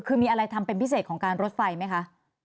คือมีอะไรทำเป็นพิเศษของการรถไฟไหมคะ